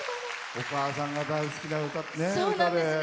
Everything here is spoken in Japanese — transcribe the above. お母さんが大好きな歌ですね。